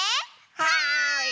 はい。